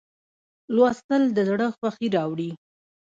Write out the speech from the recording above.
لوستل د زړه خوښي راوړي.